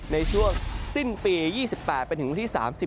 ในช่วงสิ้นปี๒๘ไปถึงวันที่๓๐